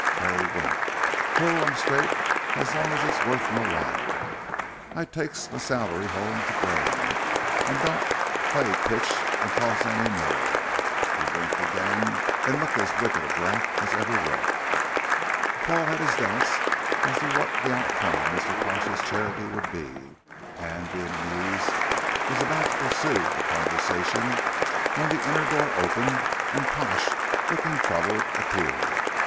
Tray winked. "Ho! I'm straight es long es it's wuth m'while. I takes m'sal'ry 'ome to gran, and don't plaiy pitch an' torse n'more." He winked again, and looked as wicked a brat as ever walked. Paul had his doubts as to what the outcome of Mr. Pash's charity would be, and, being amused, was about to pursue the conversation, when the inner door opened and Pash, looking troubled, appeared.